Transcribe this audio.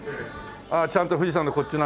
ああちゃんと富士山のこっちのあれも。